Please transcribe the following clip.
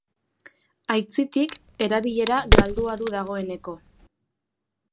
Aitzitik, erabilera galdua du dagoeneko.